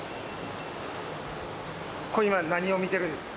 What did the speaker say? これ今何を見ているんですか？